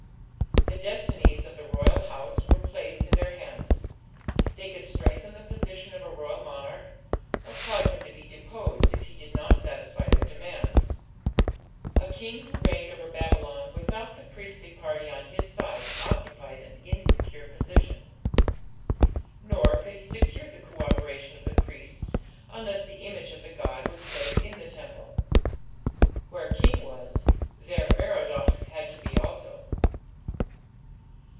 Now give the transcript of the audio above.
The destinies of the royal house were placed in their hands; they could strengthen the position of a royal monarch, or cause him to be deposed if he did not satisfy their demands. A king who reigned over Babylon without the priestly party on his side occupied an insecure position. Nor could he secure the co operation of the priests unless the image of the god was placed in the temple. Where king was, there Merodach had to be also.